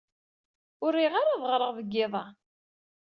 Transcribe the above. Ur riɣ ara ad ɣṛeɣ deg yiḍ-a.